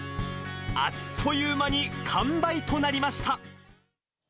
あっという間に完売となりました。